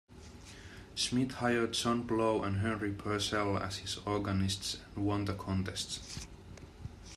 Smith hired John Blow and Henry Purcell as his organists and won the contest.